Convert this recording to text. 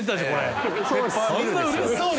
そんなうれしそうに！